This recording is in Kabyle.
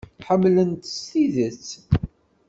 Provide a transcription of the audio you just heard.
Ḥemmlen-t s tidet.